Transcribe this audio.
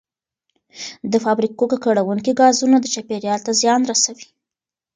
د فابریکو ککړونکي ګازونه چاپیریال ته زیان رسوي.